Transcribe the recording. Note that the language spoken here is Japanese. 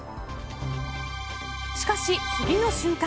しかし、次の瞬間